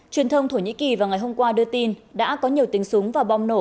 truyền thông thổ nhĩ kỳ vào ngày hôm qua đưa tin đã có nhiều tính súng và bom nổ